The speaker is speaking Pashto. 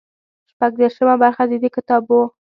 شپږ دېرشمه برخه د دې کتاب وو.